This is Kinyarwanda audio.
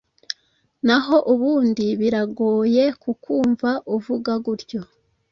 naho ubundi biragoye kukumva uvuga gutyo